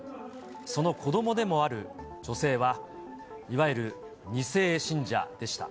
その子どもでもある女性は、いわゆる２世信者でした。